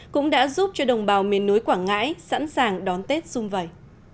cũng đã giúp cho đồng bào miền núi quảng ngãi sẵn sàng đón tết xung vầy